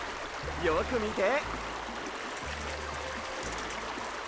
よくみて！